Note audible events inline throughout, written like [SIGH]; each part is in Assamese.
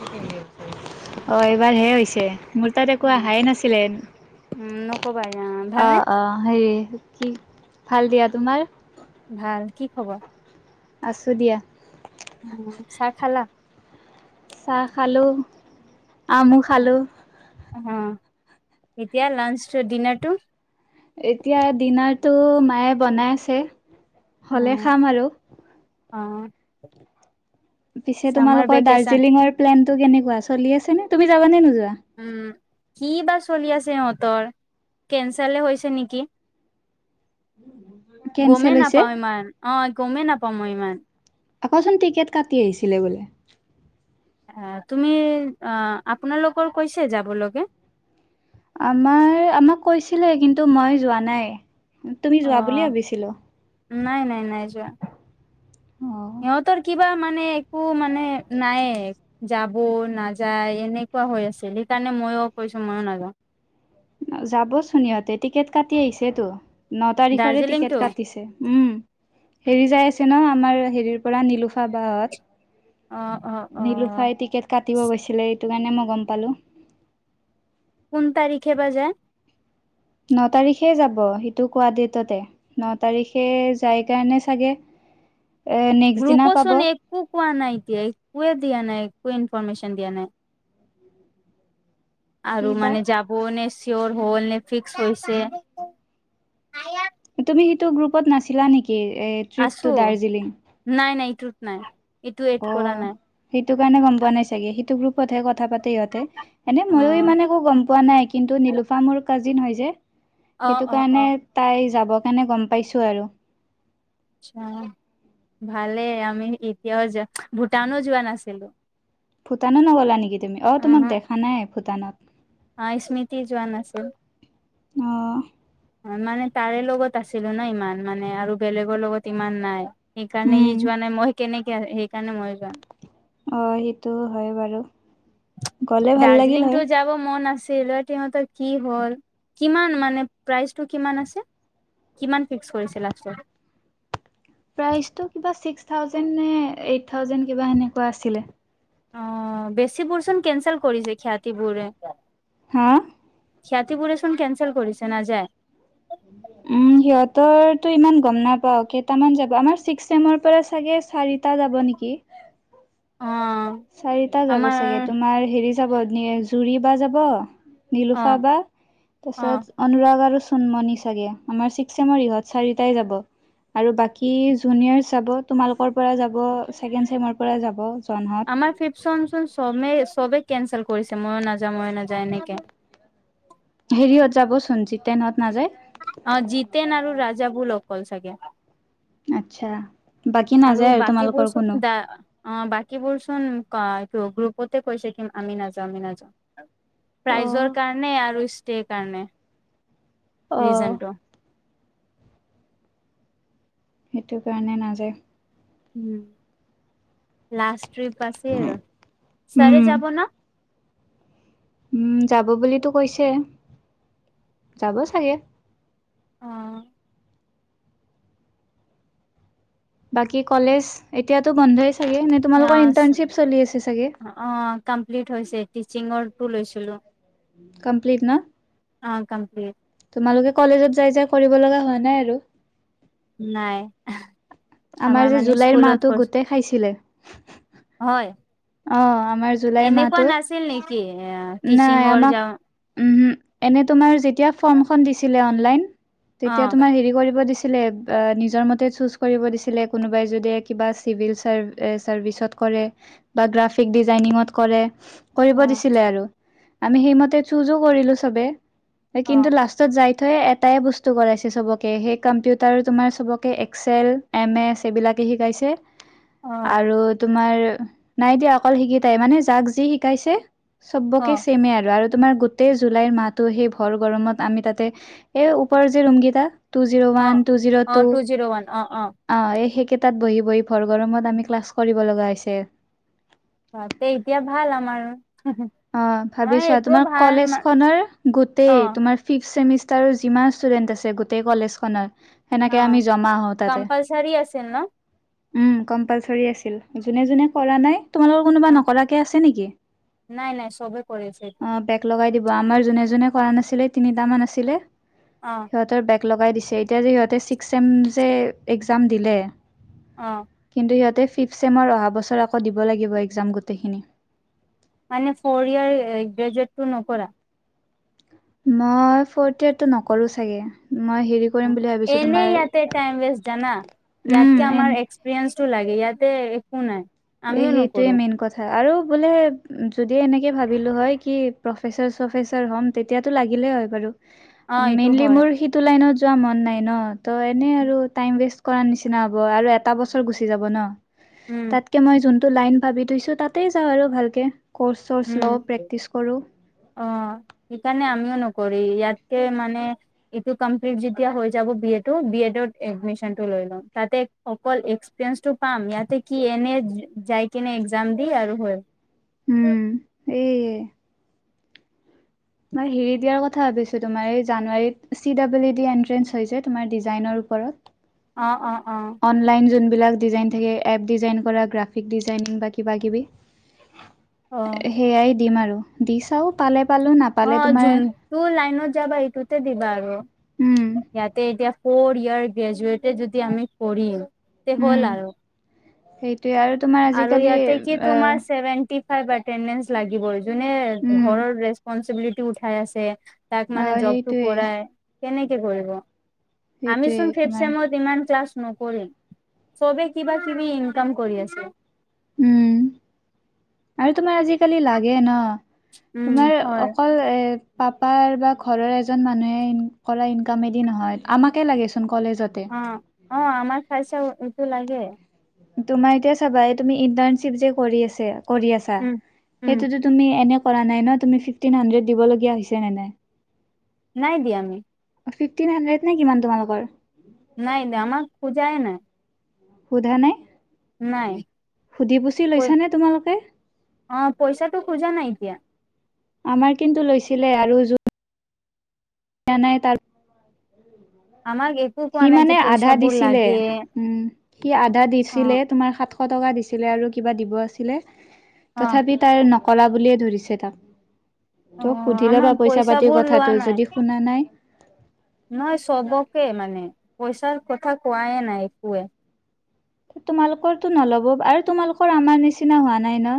অ এইবাৰ হে হৈছে। মোৰ তাত অ', একো অহাই নাছিলে উম, নকবা অ ভালনে? অ হেৰি কি ভাল দিয়া তোমাৰ ভাল কি খবৰ। আছো দিয়া উম চাহ খালা চাহ খালোঁ আমু খালোঁ অঁ এতিয়া লাঞ্চ ডিনাৰ টো? এতিয়া ডিনাৰ টো মায়ে বনাই আছে। হ'লে খাম আৰু। অঁ পিছে তোমালোকৰ দাৰ্জিলিঙৰ প্লেনটো কেনেকুৱা চলি আছে নে তুমি যাবা নে নোযোৱা? উম' কি বা চলি আছে সিহঁতৰ কেনচেলে হৈছে নেকি? কেনচেল গমেই হৈছে নাপাওঁ ইমান, অঁ গমেই নাপাওঁ ইমান। আকৌ চোন টিকেট কাটি আহিছিলে বোলে? আঁহ তুমি আপোনালোক'ক কৈছে যাব লৈকে? আমাৰ আমাক কৈছিলে কিন্তু মই যোৱা নাই। তুমি যোৱা অ', বুলিয়ে ভাবিছিলো। নাই নাই নাই যোৱা অ সিহতৰ কি- কিবা মানে একো মানে নাই যাব, নাযায় এনেকুৱা হৈ আছে। সেইকাৰণে- মানে মইও কৈছো মই নাযাওঁ। যাবচোন সিহঁতে টিকেট কাটি আহিছে তো। ন তাৰিখৰে টিকেট দাৰ্জিলিংটো কাটিছে । উম' হেৰি যাই আছে নহয় আমাৰ হেৰিৰ পৰা নিলোফা অ', অ', বা'হত। অ', নিলোফাই টিকেট কাটিব গৈছিলে। সেইটো কাৰণে মই গম পালো। কোন তাৰিখে বা যাই? ন' তাৰিখে যাব সেইটো কোৱা ডেটতে ন' তাৰিখে যাই কাৰণে চাগে। এ নেক্সট দিনা গ্ৰুপত পাব চোন একো কোৱা নাই? একোৱে দিয়া নাই, একোৱে ইনফৰৰ্মেশ্যন দিয়া নাই। কি আৰু বা মানে যাব নে চিয়ৰ হ'ল নে ফিক্স হৈছে। তুমি সেইটো গ্ৰুপত নাছিলা নেকি ট্ৰিপ টু দাৰ্জিলিং। সেই তো'ত নাই। এইটো এড অ কৰা নাই সেইটো কাৰণে গম পোৱা নাই চাগে সেইটো গ্ৰুপতহে কথা পাতে- ইহতে। এনেই অ', মইও ইমান একো গম পোৱা নাই কিন্তু নিলোফা মোৰ কাজিন হয় যে। অ', সেইটো অ', কাৰণে অ', তাই যাব কাৰণে গম পাইছো আৰু। আচ্ছা। ভালেই আমি এতিয়াও যে ভূটানো যোৱা নাছিলো। ভূটানো নগলা নেকি তুমি? অ তোমাক উহো দেখা নাই ভূটানত। অ স্মৃতি জোৱান আছিল। অ মানে তাৰে লগত আছিলো ন' ইমান মানে আৰু বেলেগৰ লগত ইমান নাই। সেইকাৰণে উম, ই যোৱা নাই মই কেনেকে। সেইকাৰণে মই যোৱা অ সেইটো হয় বাৰু। গ'লে ভাল লাগিল দাৰ্জিলিং হয়। টো যাব মন আছে। সিহঁতৰ কি হ'ল কিমান মানে প্ৰাইচটো কিমান আছে? কিমান ফিক্স কৰিছে লাষ্টত? প্ৰাইচটো কিবা চিক্ ঠউজেই নে এইট টাউজেন নে কিবা সেনেকুৱা আছিলে। অঁ বেচিবোৰ চোন কেনচেল কৰিছে সিহঁতিবোৰে। হাঁ? সিহতিবোৰে চোন কেনছেল কৰিছে নাযায়? উম' সিহতৰ টো ইমান গম নাপাওঁ। কেইটামান যাব আমাৰ চিক্স চেমৰ পৰা চাগে- চাৰিটা যাব নেকি। অ চাৰিটা যাব আমাৰ চাগে। তোমাৰ হেৰি যাব জুৰি বা যাব, অ নিলোফা বা অ তাৰপিছত অনুৰাগ আৰু- চুন্মনি চাগে আমাৰ চিক্স চেমৰ ইহত চাৰিটাই যাব। আৰু বাকী জুনিয়ৰছ যাব, তোমালোকৰ পৰা যাব, ছেকেণ্ড চেমৰ পৰা যাব যোৰহাট। আমাৰ ফ্ৰীপ চেমৰ চোন চবেই কেনচেল কৰিছে মই নাযাওঁ মই নাযাওঁ এনেকে। [INAUDIBLE] হেৰিয়ত যাবচোন [UNINTELLIGIBLE] নত নাযায় [UNINTELLIGIBLE] অ জিতেন আৰু ৰাজাবোৰুল অকল চাগে । আচ্ছা বাকী নাযায় আৰু বাকীবোৰ তোমালোকৰ চোন কোনো । দা অ বাকীবোৰ চোন গ্ৰুপতে কৈছে কিম আমি নাযাওঁ আমি নাযাওঁ । অ প্ৰাইজৰ কাৰণে আৰু ষ্টেৰ কাৰণে ৰিজনটো। সেইটো সেইটো কাৰণে নাযায়। [INAUDIBLE] লাষ্টট্ৰিপ আছে আৰু ছাৰে উম যাব না? উম যাব বুলিতো কৈছে যাব চাগে [UNINTELLIGIBLE] অ বাকী কলেজ এতিয়াতো বন্ধ হৈছে । চাগে নে তোমালোকৰ ইণ্টানশ্বিপ চলি আছে চাগে । কমপ্লিট হৈছে টিচিঙৰটো লৈছিলোঁ । কমপ্লীট ন? [INAUDIBLE] অ কমপ্লীট। [UNINTELLIGIBLE] তোমালোকে কলেজত যাই-যাই কৰিব লগা হোৱা নাই আৰু [INAUDIBLE] নাই । আমাৰ যে জুলাইৰ মাহটো গোটেই খাইছিলে [INAUDIBLE] হয় অ আমাৰ জুলাই এনেকুৱা মাহটো [UNINTELLIGIBLE] নাছিল নেকি এ নাই টিচিঙৰ আমাক যাওঁ উমহো । এনে তোমাৰ যেতিয়া ফৰ্মখন দিছিলে অনলাইন অ তেতিয়া তোমাৰ হেৰি দিছিলে । নিজৰ মতে চুৰ্জ কৰিব দিছিলে কোনোবাই যদি কিবা চাৰভিৰ্চত । কৰে বা গ্ৰাফিক ডিজাইনিংত কৰে । কৰিব অ দিছিলে আৰু আমি সেইমতে চুজো কৰিলো চবে অ কিন্তু লাষ্টত যাই থয়েই এটাই বস্তু কৰাইছে চবকে সেই কম্পিউটাৰ তোমাৰ চবকে এক্সেল, এম এছ এইবিলাক। শিকাইছে। অ আৰু তোমাৰ নাই দিয়া অকল শিকি তাই মানে যাক যি শিকাইছে। অ চবকে চেমে আৰু তোমাৰ গোটেই জুলাইৰ মাহতো সেই ভৰ গৰমত আমি তাতে এ ওপৰ যে ৰুমকেইটা টু জিৰ' অ ওৱান, টু জিৰ' অ টু জিৰ' ওৱান অ [INAUDIBLE] অ সেই সেইকেইটাত বহি-বহি ভৰ গৰমত আমি ক্লাছ কৰিব লগা হৈছে। তাতে এতিয়া ভাল আমাৰ। অ ভাবি আমাৰ চোৱা এইটোও তোমাৰ ভাল কলেজখনৰ অ গোটেই তোমাৰ ফিফ চেমিছ ষ্টাৰৰ যিমান ষ্টুডেন্ট আছে গোটেই কলেজখনত অ সেনেকে আমি জমা হ‌ওঁ তাতে। কম্পালচাৰী আছিল ন উম কম্পালচৰি আছিল। যোনে-যোনে কৰা নাই, তোমালোকৰ কোনোবা নকৰাকে আছে নেকি? [UNINTELLIGIBLE] নাই-নাই চবেই কৰিছে এইটো। অ [UNINTELLIGIBLE] আমাৰ যোনে-যোনে কৰা নাছিলে তিনিটা মান আছিলে। অ সিহঁতৰ বেক ব্ৰেক লগাই দিছে। এতিয়া যে সিহঁতে ছিক্স চেম যে একজাম দিলে অ [INAUDIBLE] কিন্তু সিহঁতে ফিফ চেমৰ অহা বছৰ আকৌ দিব লাগিব এক্সাম গোটেইখিনি। মানে ফ'ৰ ইয়াৰ গ্ৰেজুৱেটটো নকৰা? মই ফৰ্থ ইয়েৰটো নকৰো চাগে। মই হেৰি কৰিম বুলি ভাবিছোঁ তোমাৰ এনেই ইয়াতে টাইম ৱেষ্ট জানা। উম ইয়াতকে এন আমাৰ এক্সপেৰিয়েন্সটো লাগে, ইয়াতে একো নাই। এ আমিও সেইটোৱেই নকৰো মেইন কথা আৰু বোলে যদি এনেকৈ ভাবিলোঁ হয় কি প্ৰফেচাৰ-চফেচাৰ হ'ম তেতিয়াতো লাগিলেই হয় বাৰু। অ এইটো মেইনলি হয় মোৰ সিটো লাইনত যোৱা মন নাই ন। ত এনে আৰু টাইম ৱেষ্ট । কৰাৰ নিচিনা হ'ব আৰু এটা বছৰ গুচি যাব ন। উম। তাতকে মই যোনটো লাইন ভাবি থৈছো তাতে যাওঁ আৰু ভালকে। কৰ্চ চৰ্চ উম, লওঁ প্ৰেক্টিচ কৰো অ সেইকাৰণে আমিও ন কৰি ইয়াতে মানে ইটো কমপ্লিট যেতিয়া হৈ যাব বি এ টো, বি এ তোত এডমিছন টো ল তাতে অকল এক্সপিৰিয়েন্সটো পাম। ইয়াতে কি এনে যাই কিনে এক্সাম দি আৰু হয়। উম এইয়ে। মই হেৰি দিয়াৰ কথা ভাবিছো তোমাৰ। এই জানুৱাৰীত C double E D entrance হয় যে তোমাৰ ডিজাইনৰ ও ওপৰত। অ অ অ অনলাইন জুন। বিলাক ডিজাইন থাকে। এপ ডিজাইন কৰা গ্ৰাফিক ডিজাইনিং বা কিবা কিবি। অ সেয়াই দিম আৰু দি চাও পালে পালো অ, নাপালে তোমাৰ যোনটো লাইনত যাবা সেটোতে দিবা আৰু। উম ইয়াতে এতিয়া ফ'ৰ ইয়াৰ গ্ৰেজুুৱটে যদি আমি কৰিম তে উম হ'ল আৰু। সেইটোয়ে আৰু তোমাৰ আৰু আজিকালি ইয়াতে কি তোমাৰ আহ ছেভেনটি ফাইভ এতেন্দেন্স লাগিবই। যোনে উম ঘৰৰ ৰেচপনচিবিলিটি উঠাই আছে তাক অ মানে জবটো সেইটোয়ে কৰায়। কেনেকে কৰিব? আমি সেইটোয়ে চোন তোমাৰ ফিভছেমত ইমান ক্লাছ নকৰো। চবে কিবা কিবি ইনকাম কৰি আছে। উম আৰু তোমাৰ আজিকালি লাগে ন। উম তোমাৰ হয় অকল এ পাপাৰ বা ঘৰৰ এজন মানুহে ইন কৰা ইনকামেদি নহয়, আমাকে লাগেছো অ অ আমাৰ খাইচা এইটো লাগে। তোমাৰ এতিয়া চাবা এই তুমি ইন্টাৰ্নশ্বিপ যে কৰি আছে। কৰি আছা উম উম সেইটোতো তুমি এনে। কৰা নায় ন তুমি ফিভতিন সন্দ্ৰেত দিব হৈছে নে মায়। নাই দিয়া আমি। ফিফটিন হাড্ৰেড নে কিমান তোমালোকৰ। নাই নাই আমাক খোজাই নাই। সোধা নাই নাই সুধি পুচি লৈছানে তোমালোকে। অ পইচাটো খোজা নাই এতিয়া। আমাৰ কিন্তু লৈছিলে আৰু য। ন নাই তাত। আমাক একো কোৱা সি নাই কি মানে আধা পইচাবোৰ দিছিলে লাগে উম সি আধা দিছিলে অ', তোমাৰ সাত। শটকা দিছিলে আৰু কিবা দিব আছিলে অ', তথাপি তাইৰ। কলা বুলিয়ে ধৰিছে তাক ত অ', সুধি আমাৰ লবা পইচা পাতিৰ পইচাবোৰ লোৱা কথাটো নাই যদি শুনা নাই। নহয় সবকে মানে পইচাৰ কথা কোৱাই নাই একোৱে। তোমালোকৰটো নল'ব আৰু তোমালোকৰ আমাৰ নিচিনা হোৱা নাই ন।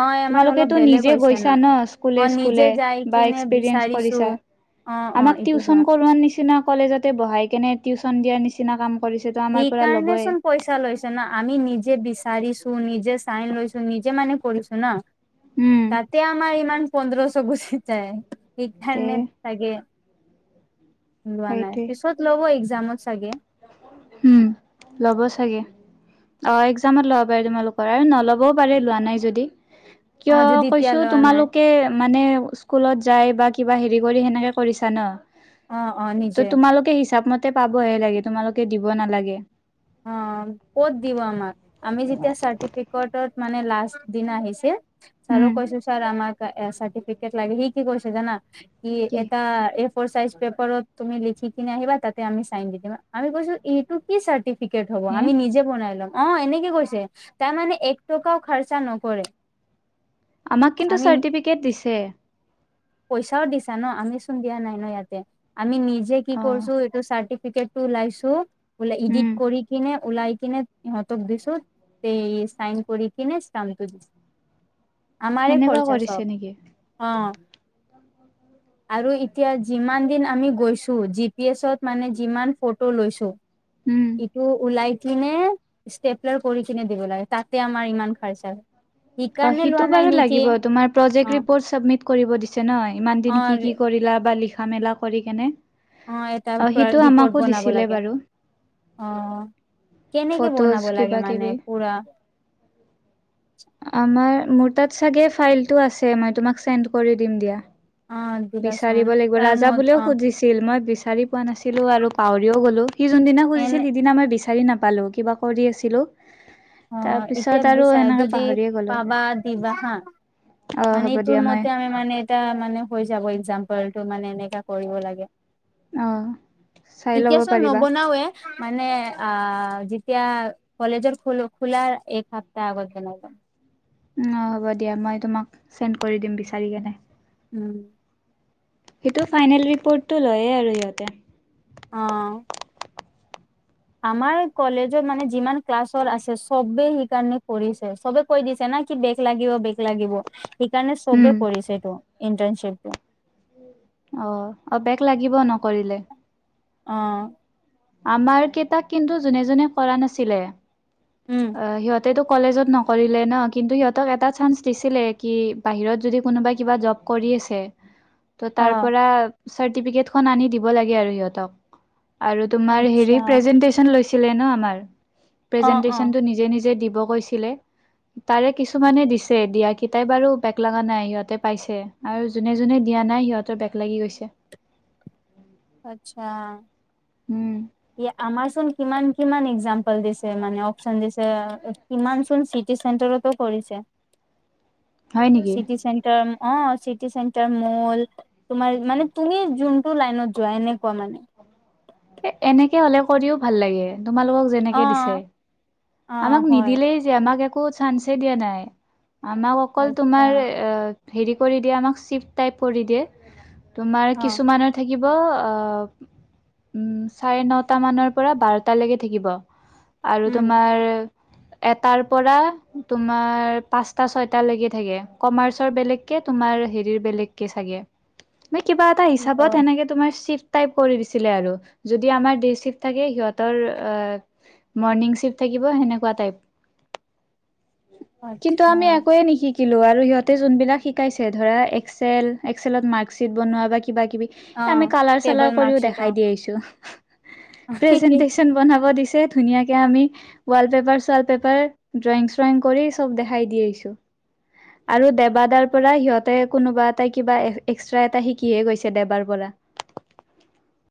অ', আমাৰ অলপ তোমালোকেতো বেলেগ নিজে হৈছে গৈছা ন স্কুলে অ', নিজে স্কুলে যাই বা কিনে এক্সপিৰিয়েঞ্চ বিচাৰিছো কৰিছা। অ', অ', আমাক এইটো হয় টিউশচন কৰোৱাৰ নিচিনা কলেজতে বহাই কেনে টিউশচন দিয়াৰ নিচিনা কাম। কৰিছে তো আমাৰ সেই পৰা কাৰণে ল'বই চোন পইচা লৈছ। আমি নিজে বিচাৰিছো নিজে চাইন লৈছো নিজে মানে কৰিছো ন। উম তাতে আমাৰ ইমান পোন্ধৰশ গুছি যায় তে সেইকাৰণে চাগে। লোৱা নাই সেইটোৱে পিছত লব এক্সজামত চাগে। উম লব চাগে। অ এক্সজমত লব পাৰে তোমালোকৰ আৰু নল'বও পাৰে লোৱা নাই যদি। কিয় অ', যদি এতিয়া কৈছো লোৱা নাই তোমালোকে। মানে স্কুলত যাই বা কিবা হেৰি কৰি সেনেকে কৰিছা ন। অ অ ত নিজে তোমালোকে হিচাপ মতে পাবহে লাগে তোমালোকে দিব নালাগে। অ ক'ত দিব আমাক আমি যেতিয়া চাৰ্টিফিকেটত। মানে লাষ্ট দিন আহিছে ছাৰো উম কৈছো ছাৰ আমাক। চাৰটিফিকেট লাগে সি কি কৈছে জনা সি কি এটা এপ। এফৰ চাইজ পেপাৰত তুমি লিখি কিনে আহিবা তাতে আমি চাইন দি দিম। আমি কৈছো এইটো কি চাৰ্টি ফিকেট হ'ব হে আমি নিজে বনাই লম। অঁ এনেকে কৈছে, তাৰ মানে এক টকাও খৰচা নকৰে। আমাক কিন্তু আমি চাৰ্টিফিকেট দিছে। পইচাও দিছা ন, আমি চোন দিয়া নাই ন ইয়াতে, আমি নিজে কি অ কৰিছো এইটো চাৰ্টি টিকেট টো ওলাইছো, ওলাই ইডিট উম কৰি কিনে ওলাই কিনে সিহঁতক দিছো তাতে চাইন কৰি কিনে ষ্টামটো দিছে। আমাৰে সেনেকুৱা খৰচা কৰিছে চব। নেকি অঁ। আৰু এতিয়া যিমান দিন আমি গৈছো, জি পি এছত মানে যিমান ফটো লৈছো উম ইটো ওলাই কিনে ষ্টেপলাৰ কৰি কিনে দিব লাগে। তাতে আমাৰ ইমান খৰচা হয়। অ সেইকাৰণে সিটো লোৱা নাই বাৰু নেকি। লাগিব তোমাৰ প্ৰজেক্ট অঁ। ৰিপৰ্ট চাবমিট কৰিব দিছে ন, ইমান দিন কি কি কৰিলা বা লিখা মেলা কৰি কেনে? অঁ এটাৰ অ পৰা সিটো আমাকো ৰিপৰ্ট বনাব দিছিলে লাগে। বাৰু অঁ কেনেকে বনাব লাগে মানে পোৰা? অঁ মোৰ তাত চাগে ফাইলটো আছে, মই তোমাক চেন্ড কৰি দিম দিয়া। অ দিবাচোন বিচাৰিব লাগিব, তাৰ ৰাজা মত বোলেও অ সুজিছিল মই বিচা বিচাৰি পোৱা নাছিলো আৰু পাহৰিও গ'লো। সি যোনদিনা এনে খুজিছিল সিদিনা মই বিচা বিচাৰি নাপালো কিবা কৰি আছিলো। তাৰ অঁ এতিয়া পিছত আৰু বিচাৰি এনেকে যদি পাহৰিয়ে গ'লো পাবা দিবা হা। অ মানে হ'ব এইটোৰ দিয়া মই মতে আমি মানে এটা মানে হৈ যাব এক্জাম্পলটো মানে এনেকা কৰিব লাগে। অ চাই ল'ব এতিয়া চোন পাৰিবা নবনাওৱে। মানে আ যেতিয়া কলেজৰ খ খোলাৰ এক সপ্তাহ আগত তেনেকুৱা। অঁ হ'ব দিয়া মই তোমাক চেন্ড কৰি দিম বিচাৰি কেনে। উম। সেইটো ফাইনেল ৰিপ'ৰ্টটো লয়েই আৰু সিহঁতে। অঁ। আমাৰ কলেজত মানে যিমান ক্লাছৰ আছে চবে সেইকাৰণে কৰিছে, চবে কৰি দিছে না নাই কি বেক লাগিব বেক লাগিব। সেইকাৰণে চবে উম। কৰিছে এইটো, ইণ্টাৰ্নশিপটো। অঁ। অঁ বেক লাগিব নকৰিলে। আঁহ। আমাৰ কেইটাক কিন্তু যোনে যোনে কৰা নাছিলে উম, আহ সিহঁতে তো কলেজত নকৰিলে ন কিন্তু সিহঁতক এটা চান্স দিছিলে কি, বাহিৰত যদি কোনোবা কিবা জব কৰি আছে, ত' তাৰ অ', পৰা চাৰ্টিফিকেটখন আনি দিব লাগে আৰু সিহঁতক। আৰু তোমাৰ আচ্ছা হেৰি প্ৰেজেনটেচন লৈছিলে ন আমাৰ। অঁ অঁ। প্ৰেজেন্টেচনটো নিজে নিজে দিব কৈছিলে। তাৰে কিছুমানে দিছে দিয়া কেই তাই বাৰু বেগ লগা নাই সিহঁতে পাইছে আৰু যোনে যোনে দি দিয়া নাই সিহঁতৰ বেগ লাগি গৈছে। আচ্ছা। উম। আমাৰ চোন কিমান কিমান এক্জাম্পল দিছে মানে অপচন দিছে, কিমান চোন চিট চিটি চেণ্টাৰতো কৰিছে, হয় নেকি চিটি চেণ্টাৰ অ চিটি চেণ্টাৰ ম'ল, তোমাৰ মানে তুমি যোনটো লাইনত যোৱা এনেকুৱা মানে। [INAUDIBLE] এনেকে হলে কৰিও ভাল লাগে, তোমালোকক যেনেকে দিছে। অ', অ', আমাক হয় নিদিলেই যে আমাক একো চান্সেই দিয়া নাই। আমাক অকল আচ্ছা তোমাৰ হেৰি কৰি দিয়ে আমাক শ্বিফ্ট টাইপ কৰি দিয়ে। তোমাৰ অ', কিছুমানৰ থাকিব আহ । উম চাৰে নটা মানৰ পৰা বাৰটালৈকে থাকিব আৰু উম, তোমাৰ । [UNINTELLIGIBLE] এটাৰ পৰা তোমাৰ পাঁচটা ছয়টা লৈগে থাকে, কমাৰ্চৰ বেলেগকে তোমাৰ হেৰিৰ বেলেগকে চাগে [INAUDIBLE] মই কিবা এটা হিচাপত অ', তেনেকে তোমাৰ চিফ্ট টাইপ কৰি দিছিলে আৰু যদি আমাৰ দে চিফ থাকে সিহঁতৰ মৰ্নিং চিফ থাকিব সেনেকোৱা টাইপ, কিন্তু আচ্ছা আমি একোয়ে নিশিক শিকিলো আৰু সিহঁতে যোনবিলাক শিকাইছে ধৰা এক্সেল এক্সেলত মাৰ্কশ্বিট বনোৱা বা কিবা কিবি অ', আমি কালাৰ টেবল চালাৰ কৰিও মাৰ্কশ্বিট দেখাই দি আহিছো। অ', প্ৰেজেন্টেছন বনাব দিছে ধুনীয়াকে আমি । ৱাল্ট পেপাৰ চৱাল পেপাৰ ড্ৰয়িং শ্ৰয়িং কৰি চব দেখাই দি আহিছো। আৰু দেবাদাৰ পৰা সিহঁতে কোনোবা এটাই কিবা এক্সট্ৰা এটা শিকিয়ে গৈছে দেবাৰ পৰা। [UNINTELLIGIBLE] [UNINTELLIGIBLE]